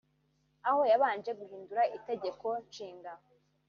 aho yabanje guhindura itegeko nshinga